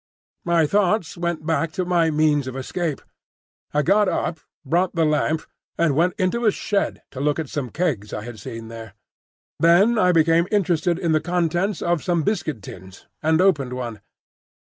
My thoughts went back to my means of escape. I got up, brought the lamp, and went into a shed to look at some kegs I had seen there. Then I became interested in the contents of some biscuit tins, and opened one.